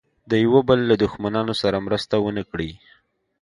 د یوه بل له دښمنانو سره مرسته ونه کړي.